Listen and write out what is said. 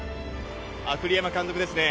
栗山監督ですね。